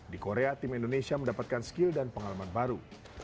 di korea tim indonesia mendapatkan skill dan pengalaman baru